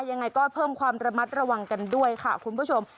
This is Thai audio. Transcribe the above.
ยังไงก็เพิ่มความระมัดระวังกันด้วยค่ะคุณผู้ชม